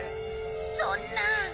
そんな！